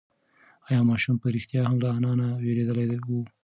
ایا ماشوم په رښتیا هم له انا نه وېرېدلی و؟